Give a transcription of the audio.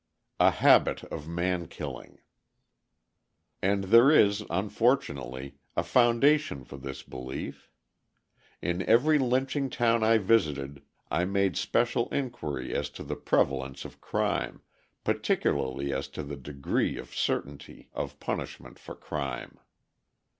A Habit of Man killing And there is, unfortunately, a foundation for this belief. In every lynching town I visited I made especial inquiry as to the prevalence of crime, particularly as to the degree of certainty of punishment for crime.